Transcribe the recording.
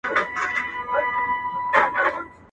نه مي غاښ ته سي ډبري ټينگېدلاى.